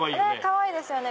かわいいですよね